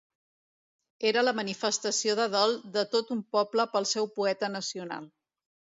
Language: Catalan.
Era la manifestació de dol de tot un poble pel seu poeta nacional.